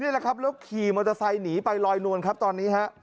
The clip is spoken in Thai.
แล้วขี่มอเตอร์ไซด์หนีไปลอยนวนครับตอนนี้